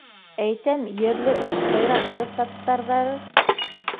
Әйтәм ерле эш ҡыйратты Саттарҙары.